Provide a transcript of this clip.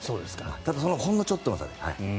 ただそのほんのちょっとの差で。